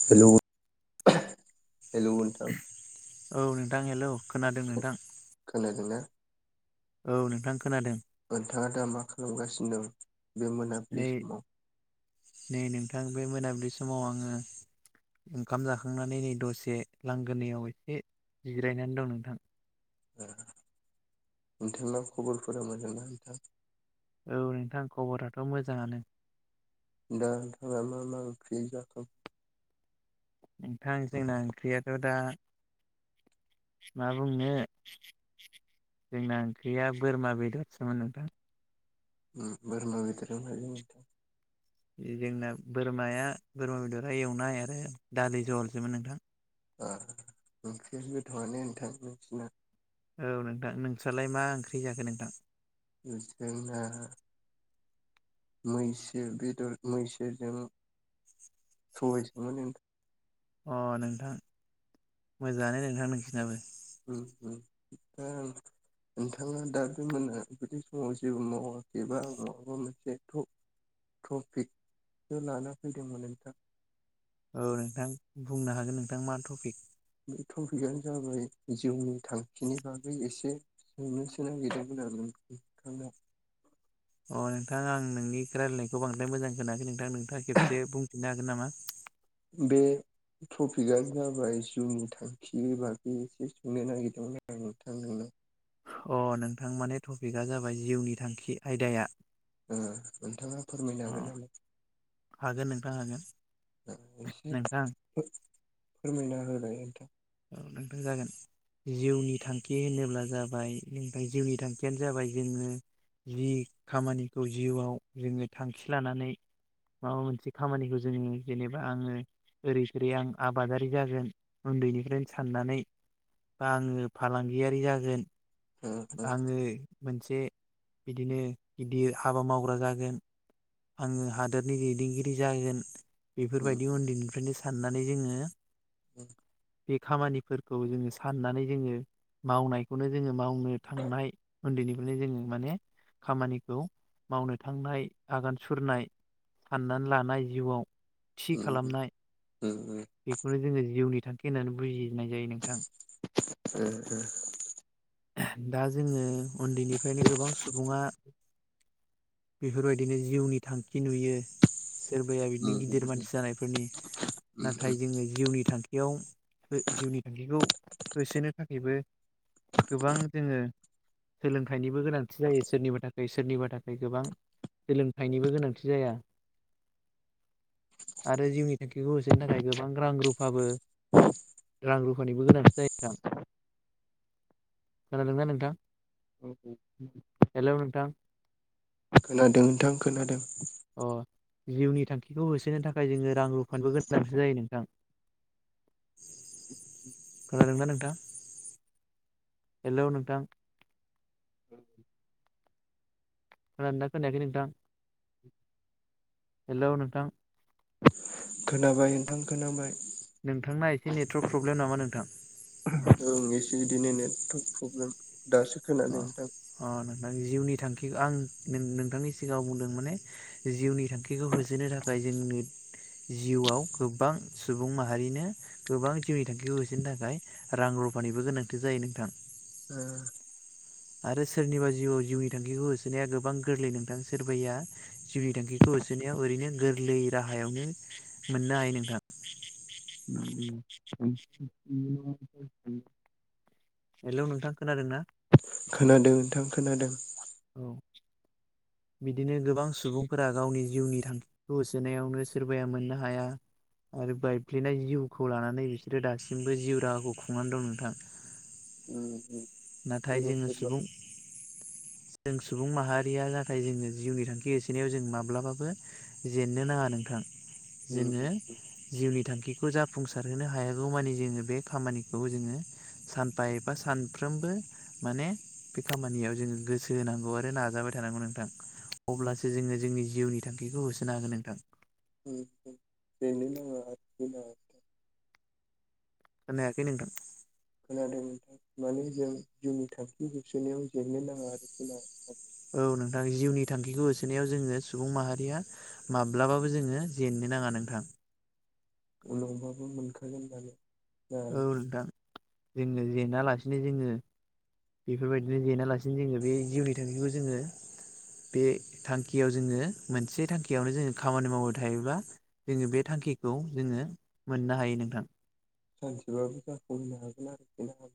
हेल' hello नोंथां औ नोंथां हेल' खोनादों नोंथां खोनादोंना औ नोंथां खोनादों नोंथाङा दा मा खालामगासिनो दं बे नै मोनाबिलि समाव नै नोंथां बे मोनाबिलि समाव आङो ओंखाम जाखांनानै नै दसे लांगोनैयाव एसे जिरायनानै दं नोंथां [unintelligible] नोंथांनाव खबरफोरा मोजां ना नोंथां [unintelligible] औ नोंथां खबराथ' मोजाङानो [unintelligible] दाथाङा मा मा ओंख्रि जाखो [unintelligible] नोंथां जोंना ओंख्रियाथ' दा [unintelligible] माबनो [unintelligible] जोंना ओंख्रिया बोरमा बेदरसोमोन नोंथां [inaudible] जोंना बोरमाया बोरमा बेदरा एवनाय आरो दालि जहलसोमोन नोंथां। ओंख्रि गोथावआनो नोंथां नोंसिना। औ नोंथां नोंस्रालाय मा ओंख्रि जाखो नोंथां? [inaudible] मैसो बेदर मैसोजों सबायसो मोन नोंथां अ नोंथां मोजाङानो नोंथां नोंसिनाबो। [inaudible] नोंथाङा दा बे मोन बेदि समाव जेबो मावाखैबा आं मावाबा मोनसे एथ' टफिखखौ लाना फैदोंमोन नोंथां। औ नोंथां बुंनो हागोन नोंथां मा टपिक? बे टपिकआनो जाबाय जिउनि थांखिनि बागै एसे [inaudible] अ नोंथां आं नोंनि रायलायनायखौ बांद्राय मोजां खोनाखै नोंथां नोंथाङा खेबसे बुंफिननो हागोन नामा? बे टपिकआ जाबाय जिउनि थांखि बागै एसे सोंनो नागिरदोंमोन आं नोंथांनाव [inaudible] अ नोंथां मानि टपिकआ जाबाय जिउनि थांखि आयदाया नोंथाङा फोरमायनो अ हागोन नामा? हागोन नोंथां। एसे नोंथां फोरमायना होलाय नोंथां औ नोंथां जागोन। जिउनि थांखि होनोब्ला जाबाय ओनिफ्राय जिउनि थांखियानो जाबाय जोङो जि खामानिखौ जिउआव जोङो थांखि लानानै माबा मोनसे खामानिखौ जोङो जेनेबा आङो ओरै ओरै आं आबादारि जागोन उन्दैनि ओफ्रायनो साननानै बा आङो फालांगियारि जागोन। ओ ओ आङो मोनसे बिदिनो गिदिर हाबा मावग्रा जागोन। आङो हादोरनि दैदेनगिरि जागोन। बेफोरबायदि उन्दैनिफ्रायनो साननानै जोङो [inaudible] बे खामानिफोरखौ जोङो साननानै जोङो मावनायखौनो जोङो मावनो थांनाय उन्दैनिफ्रायनो जोङो माने खामानिखौ मावनो थांनाय आगान सुरनाय साननानै लानाय जिउआव थि उम खालामनाय उम उम ओ बेखौनो जोङो जिउनि थांखि होननानै बुजिनाय जायो नोंथां। [inaudible] दा जोङो उन्दैनिफ्रायनो गोबां सुबुङा- बेफोरबायदिनो जिउनि थांखि नुयो। सोरबाया बिदिनो उम उम गिदिर उम मानसि जानायफोरनि नाथाय जोङो जिउनि थांखियाव जिउनि थांखिखौ होसोनो थाखायबो गोबां जोङो सोलोंथाइनिबो गोनांथि जायो सोरनिबा थाखाय सोरनिबा थाखाय गोबां सोलोंथाइनिबो गोनांथि जाया [inaudible] आरो जिउनि थांखिखौ होसोनो थाखाय गोबां रां रुफाबो रां रुफानिबो गोनांथि' जायोना [inaudible] खोनादोंना नोंथां उम हेल' नोंथां? खोनादों नोंथां खोनादों अ जिउनि थांखिखौ होसोनो थाखाय जोङो रां रुफानबो गोनांथि जायो नोंथां खोनादों ना नोंथां हेल' नोंथां खोनादों ना खोनायाखै नोंथां हेल' नोंथां खोनाबाय नोंथां खोनाबाय नोंथांना एसे नेटवर्क प्रब्लेम नामा नोंथां औ एसे बिदिनो नेटवर्क प्रब्लेम दासो खोनादों अ नोंथां अ नोंथांनि जिउनि थांखि आं नोंथांनि सिगाङाव बुंदों माने जिउनि थांखिखौ होसोनो थाखाय जोंनो जिउआव गोबां सुबुं माहारिनो गोबां जिउनि थांखिखौ होसोनो थाखाय रां रु रफानिबो गोनांथि जायो नोंथां [unintelligible] आरो सोरनिबा जिउआव जिउनि थांखिखौ होसोनाया गोबां गोरलै नोंथां सोरबाया जिउनि थांखिखौ होसोनायाव ओरैनो गोरलै राहायावनो मोननो हायो नोंथां [inaudible] हेलौ नोंथां खोनादों ना खोनादों नोंथां खोनादों औ बिदिनो गोबां सुबुंफोरा गावनि जिउनि थांखिखौ होसोनायावनो सोरबाया मोननो हाया आरो बायफ्लेनाय जिउखौ लानानै बिसोरो दासिमबो जिउ राहाखौ खुंनानै दं नोंथां उ नाथाय जोङो सुबुं [inaudible] जों सुबुं माहारिया नाथाय जोङो जिउनि थांखि होसोनायाव जों माब्लाबाबो जेननो नाङा नोंथां जोङो उम जिउनि थांखिखौ जाफुंसारहोनो हायागौ मानि जोङो बे खामानिखौ जोङो सानफा एफा सान फ्रोमबो माने बे खामानियाव जोङो गोसो होनांगौ आरो नाजाबाय थानांगौ नोंथां अब्लासो जोङो जोंनि जिउनि थांखिखौ होसोनो हागोन नोंथां [unintelligible] खोनायाखै नोंथां खोनादोंमोन माने जों जिउनि थांखि जोबसोननायाव जेन्नो नाङा आरो खोन औ नोंथां जिउनि थांखिखौ होसोनायाव जोङो सुबुं माहारिया माब्लाबाबो जोङो जेनो नाङा नोंथां उनावबाबो मोनखागोन जानो औ नोंथां जोंनो जेना लासिनो जोङो बेफोरबायदिनो जेना लासिनो जोङो बे जिउनि थांखिखौ जोङो बे थांखियाव जोङो मोनसे थांखियावनो जोङो खामानि मावबाय थायोब्लाा जोङो बे थांखि थांखिखौ जोङो मोननो हायो नोंथां सानसेबाबो जाफुंहैनो हागोन आरोखि ना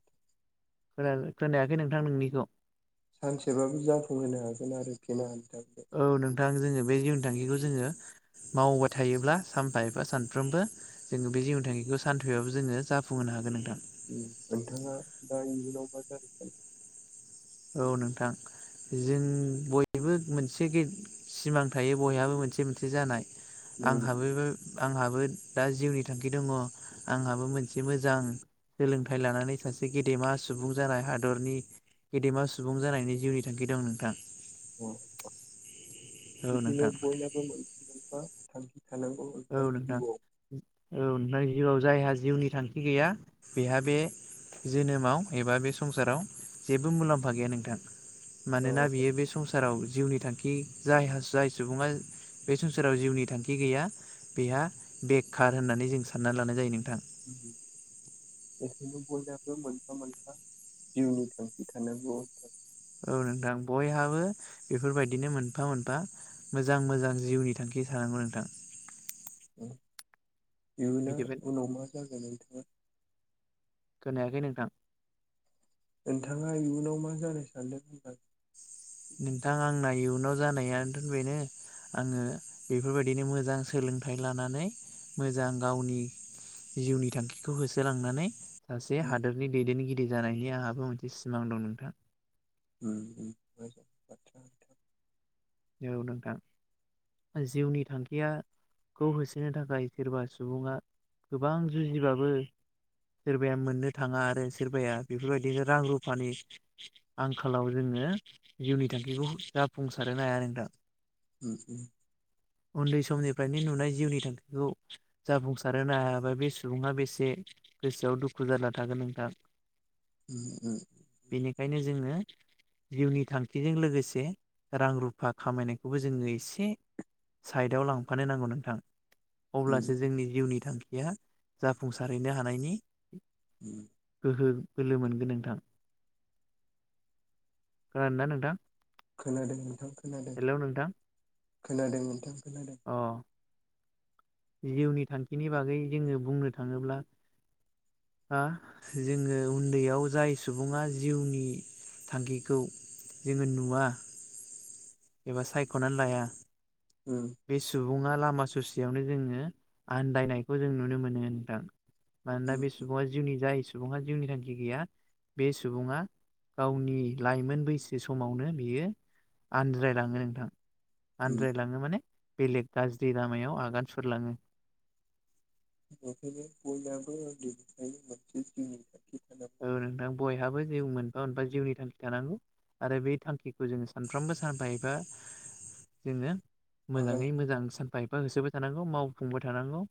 खोना-खोनायाखै नोंथां नोंनिखौ सानसेबाबो जाफुंहोनो हागोन आरो फिमानो औ नोंथां जोङो बे जिउनि थांखिखौ जोङो मावबाय थायोब्ला सानफा एफा सानफ्रोमबो जोङो बे जिउ थांखिखौ सानफैबाबो जोङो जाफुंहोनो हागोन नोंथां नोंथाङा दा इयुनाव मा जाजोबगोन औ नोंथां जों बयबो मोनसे सिमां थायो बयहाबो मोनसे मोनसे जानाय आंहाबोबो आंहाबो दा जिउनि थांखि दंङ आंहाबो मोनसे मोजां सोलोंथाइ लानानै सासे गेदेमा सुबुं जानाय हादरनि गेदेमा सुबुं जानायनि जिउनि थांखि दं नोंथां औ बिदिनो नोंथां बयनाबो मोनफा मोनफा थांखि थानांगौ औ नोंथा नोंथां जिउआव औ नोंथां जिउआव जायहा जिउनि थांखि गैया बेहा बे जोनोमाव एबा बे संसाराव जेबो मुलाम्फा गैया नोंथां औ मानोना बियो बे संसाराव जिउनि थांखि जाय हा जाय सुबुङा बे संसाराव जिउनि थांखि गैया बेहा बेखार होननानै जों सानना लानाय जायो नों [inaudible] बयानाबो मोनफा मोनफा जिउनि थांखि थानांगौ अथार औ नोंथां बयहाबो बेफोरबायदिनो मोनफा मोनफा मोजां मोजां जिउनि थांखि सानांगौ नोंथां मिथिबाय इयुनाव उनाव मा जागोन नोंथाङा खोनायाखै नोंथां नोंथाङा इयुनाव मा जानो सानदों होनबा नोंथां आंना इयुनाव जानायानोथ बेनो आङो बेफोरबायदिनो मोजां सोलोंथाइ लानानै मोजां गावनि जिउनि थांखिखौ होसोलांनानै सासे उम हादोरनि दैदेनगिरि जानायनि आंहाबो मोनसे सिमां दं नोंथां उम औ नोंथां जिउनि थांखिया खौ होसोनो थाखाय सोरबा सुबुङा गोबां जुजिब्लााबो सोरबाया मोननो थाङा आरो सोरबाया बेफोरबायदिनो रां रुफानि आंखालाव जोङो आङो जिउनि थांखिखौ जाफुंसारनो हाया नोंथां उम फफ्रायनो नुनाय जिउनि थांखिखौ जाफुंसारहो हायाबा बे सुबुङा बेसे गोसोआव दुखु खुजारला थागोन नोंथां उम बेनिखायनो जोङो जिउनि थांखिजों लोगोसे रां रु रुफा खामायनायखौबो जोङो एसे साइडआव लांफानो नांगौ नोंथां उम अब्लासो जोंनि जिउनि थांखिया जाफुंसारहैनो हानायनि उ ह बोलो मोनगोन नोंथां खोनादो ना नोंथां खोनादों नोंथां खोनादों हेलौ नोंथां खोनादों नोंथां खोनादों अ जिउनि थांखिनि बागै जोङो बुंनो थाङोब्ला हा जोङो उन्दैयाव जाय सुबुङा जिउनि थांखिखौ जोङो नुवा एबा सायख'नानै लाया उम बे सुबुङा लामा ससेयावनो जोङो आन्दायनायखौ जों नुनो मोनो नोंथां मानोना बे उम सुबुंआ जिउनि जाय सुबुङा जिउनि थांखि गैया बे सुबुङा गावनि लाइमोन बैसो समावनो बियो आनज्रायलाङो नोंथां उम आनन्द्रायलाङो माने बेलेग गाज्रि लामायाव आगान सुरलाङो [unintelligible] ओ नोंथां बयहाबो जिउ मोनफा मोनफा जिउनि थांखि थानांगौ आरो बे थांखिखौ जोंयो सानफ्रोमबो सानफा एबा [inaudible] [unintelligible] आगान मोजाङै सुर मोजां सानफा एफा होसोबाय थानांगौ मावफुंबाय थानांगौ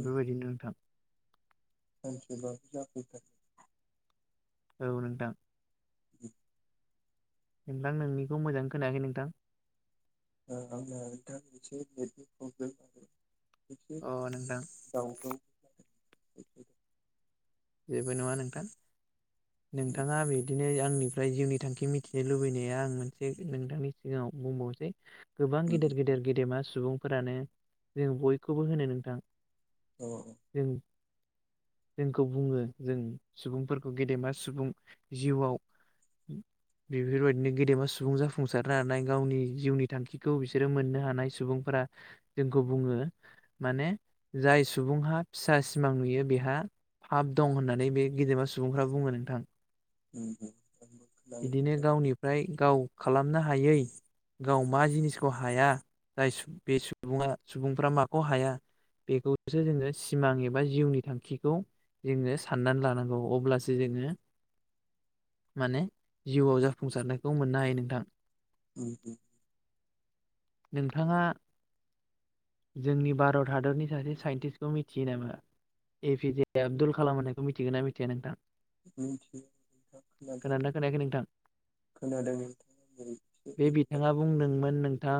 उम नोंथां [inaudible] औ नोंथां नोंथां नोंनिखौ मोजां खोनायाखै नोंथां ओ आंना नोंथां एसे नेथनि प्रब्लेम जादों एसे अ नोंथां दावउखौ जेबो नङा नोंथां नोंथाङा बिदिनो बिनो आंनिफ्राय जिउनि थांखि मिथिनो लुबैनाया आं मोनसे नोंथांनि सिगाङाव बुंबावनोसै गोबां गेदेर गेदेर गेदेमा सुबुंफोरानो जों बयखौबो होनो नोंथां औ ओ जों जोंखौ बुङो जों सुबुंफोरखौ गेदेमा सुबुं जिउआव उ बेफोरबायदिनो गेदेमा सुबुं जाफुंसारनो हानाय गावनि जिउनि थांखिखौ बिसोरो मोननो हानाय सुबुंफोरा फ्रा जोंखौ बुङो माने जाय सुबुंहा फिसा सिमां नुयो बेहा फाब दं होननानै बे गेदेमा सुबुंफ्रा बुङो नोंथां ओम ओम बिदिनो गावनिफ्राय गाव खालामनो हायै गाव मा जिनिसखौ हाया जाय बे सुबङा सुबुंफ्रा माखौ हाया बेखौसो जोङो सिमां एबा जिउनि थांखिखौ जोङो साननानै लानांगौ अब्लासो जोङो माने जिउआव जाफुंसारनायखौ मोननो हायो नोंथां ओ ओ नोंथाङा जोंनि भारत हादरनि सासे साइन्टिस्टखौ मिथियो नामा एपि जे आब्दुल कालाम होननायखौ मिथिगोन ना मिथिया नोंथां मिनथियो [unintelligible] खोनादोंना खोनायाखै नोंथां खोनादों नोंथाङाै नोथां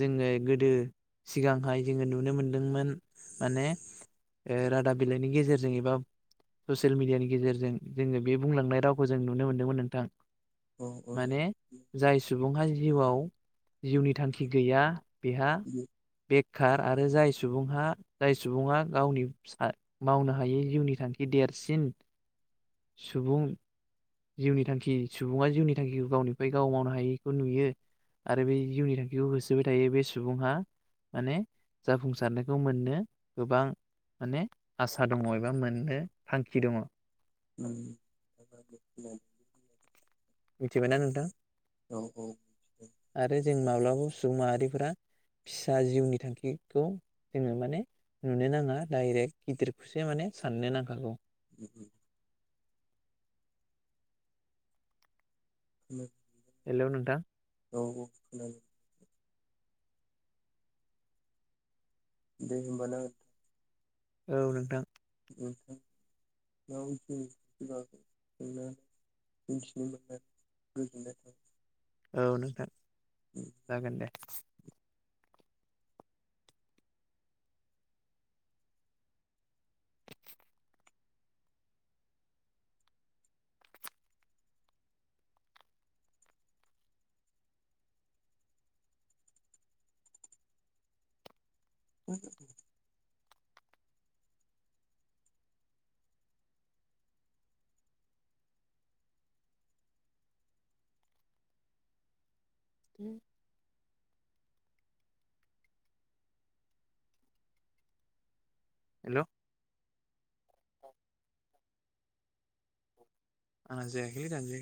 जोङो गोदो सिगांहाय जोङो नुनो मोनदोंमोन माने ओ रादाब बिलाइनि गेजेरजों एबा ससियेल मिडियानि गेजेरजों जोङो बे बुंलांनाय रावखौ जों नुनो मोन्दोंमोन नोंथां। उम माने जाय सुबुंहा जिउआव जिउनि थांखि गैया। बिहा बेखार आरो जाय सुबुंहा जाय सुबुङा गावनि मावनो हायै जिउनि थांखि देरसिन सुबुं जिउनि थांखि सुबुङा जिउनि थांखिखौ गावनिफ्राय गाव मावनो हायैखौ नुयो। आरो बे जिउनि थांखिखौ होसोबाय थायो बे सुबुंहा माने जाफुंसारनायखौ मोननो गोबां माने आसा दङ एबा मोननो थांखि दङ। [inaudible] मिथिबायना नोंथां? औ औ आरो जों माब्लाबाबो सुबुं माहारिफोरा। फिसा जिउनि थांखिखौ जोङो माने नुनो नाङा डाइरेक्ट गिदिरखौसो माने साननो नांखागौ उ उ हेलौ हेल' नोंथां। औ औ खोनायो। दे होमबाना। औ नोंथां। [unintelligible] मिथिनो मोननानै गोजोननाय थाबाय। औ नोंथां जागोन दे। [unintelligible] [unintelligible] हेलौ। आङा जायाखै दानजायाखै